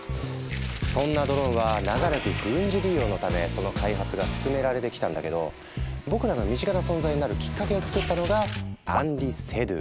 そんなドローンは長らく軍事利用のためその開発が進められてきたんだけど僕らの身近な存在になるきっかけを作ったのがアンリ・セドゥ。